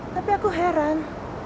tapi aku heran